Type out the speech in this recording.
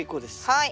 はい。